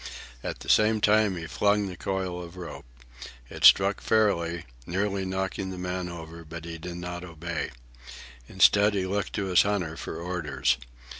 At the same time he flung the coil of rope. It struck fairly, nearly knocking the man over, but he did not obey. Instead, he looked to his hunter for orders.